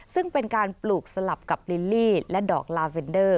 ซึ่งเป็นการปลูกสลับกับลิลลี่และดอกลาเวนเดอร์